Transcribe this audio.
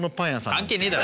関係ねえだろ。